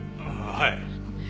ああはい。